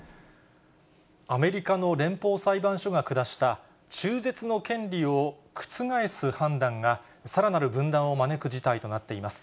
アメリカの連邦裁判所が下した、中絶の権利を覆す判断が、さらなる分断を招く事態となっています。